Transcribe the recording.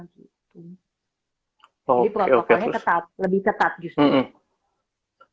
jadi protokolnya lebih ketat justru